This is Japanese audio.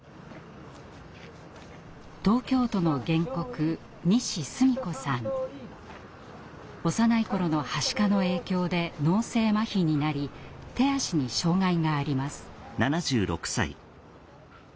東京都の原告幼い頃のはしかの影響で脳性まひになり手足に障害があります。